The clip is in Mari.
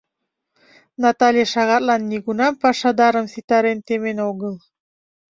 Натале шагатлан нигунам пашадарым ситарен темен огыл.